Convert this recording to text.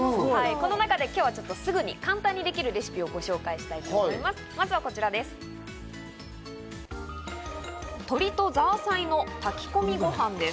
この中で今日は、すぐに簡単にできるレシピをご紹介したいと思います、まずはこちらです。